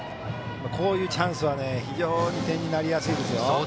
こういうチャンスは非常に点になりやすいですよ。